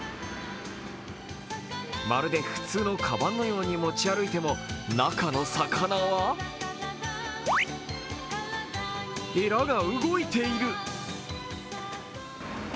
まるで普通のカバンのように持ち歩いても、中の魚はえらが動いている！